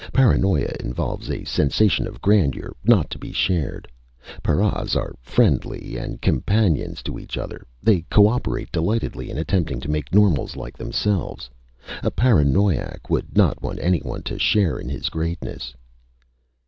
Paranoia involves a sensation of grandeur, not to be shared. Paras are friends and companions to each other. They co operate delightedly in attempting to make normals like themselves. A paranoiac would not want anyone to share his greatness!"